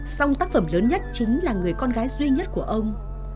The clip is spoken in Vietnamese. song tác phẩm lớn nhất chính là người con gái duy nhất của ông